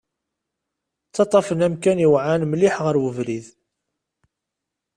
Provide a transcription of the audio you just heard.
Ttaṭṭafen amkan iweɛɛan mliḥ ɣer ubrid.